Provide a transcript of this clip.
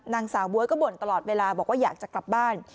นางสาวบ๊วยก็บ่นตลอดเวลาบอกว่าอยากจะกลับบ้าน